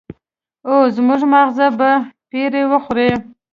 او زموږ ماغزه به پرې وخوري.